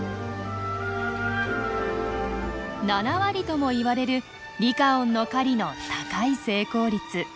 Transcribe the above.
７割ともいわれるリカオンの狩りの高い成功率。